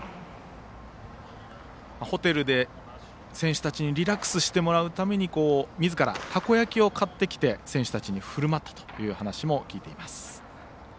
ホテルで選手たちにリラックスしてもらうためにみずから、たこ焼きを買ってきて選手たちにふるまったという話も聞いています。